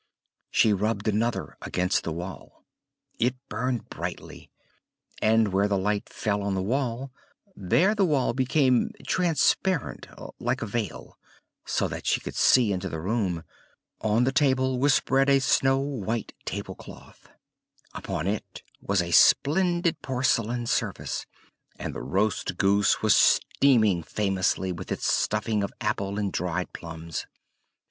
She rubbed another against the wall: it burned brightly, and where the light fell on the wall, there the wall became transparent like a veil, so that she could see into the room. On the table was spread a snow white tablecloth; upon it was a splendid porcelain service, and the roast goose was steaming famously with its stuffing of apple and dried plums.